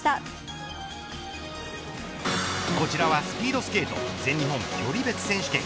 こちらはスピードスケート全日本距離別選手権。